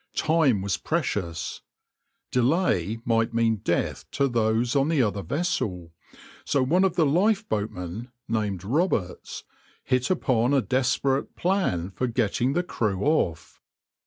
Time was precious. Delay might mean death to those on the other vessel, so one of the lifeboatmen, named Roberts, hit upon a desperate plan for getting the crew off.